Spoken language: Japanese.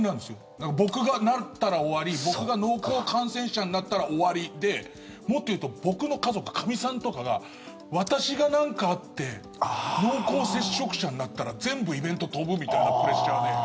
だから、僕がなったら終わり僕が濃厚感染者になったら終わりで、もっというと僕の家族、かみさんとかが私がなんかあって濃厚接触者になったら全部イベント飛ぶみたいなプレッシャーね。